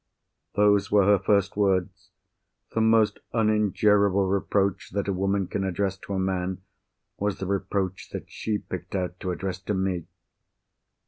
Those were her first words! The most unendurable reproach that a woman can address to a man, was the reproach that she picked out to address to Me.